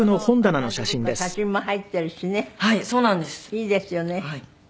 いいですよね。